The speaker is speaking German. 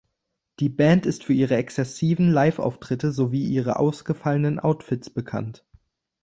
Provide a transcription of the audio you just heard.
Die Band ist für ihre exzessiven Liveauftritte sowie ihre ausgefallenen Outfits bekannt.